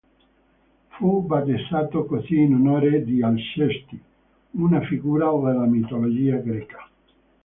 Fu battezzato così in onore di Alcesti, una figura della mitologia greca.